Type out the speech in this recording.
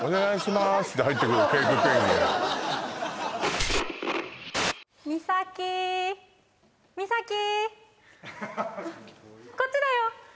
私こっちだよ！